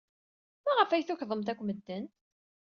Maɣef ay tukḍemt akk medden?